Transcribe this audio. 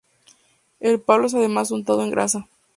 El palo es además untado en grasa.